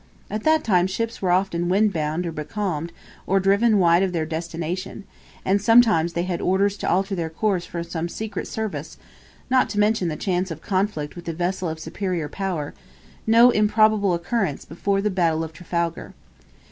At that time ships were often windbound or becalmed, or driven wide of their destination; and sometimes they had orders to alter their course for some secret service; not to mention the chance of conflict with a vessel of superior power no improbable occurrence before the battle of Trafalgar.